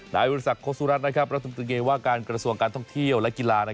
บริษัทโฆษุรัฐรัฐมนตรีว่าการกระทรวงการท่องเที่ยวและกีฬา